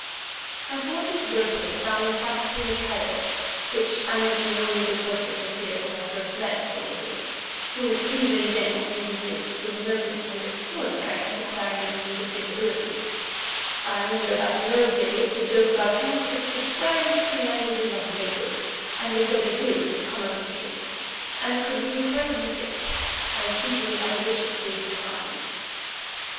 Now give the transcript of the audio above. My fortieth birthday found me practising at Cairo, which I mention only because it was here that first I met Ptolemy Higgs, who, even then in his youth, was noted for his extraordinary antiquarian and linguistic abilities. I remember that in those days the joke about him was that he could swear in fifteen languages like a native and in thirty two with common proficiency, and could read hieroglyphics as easily as a bishop reads the Times.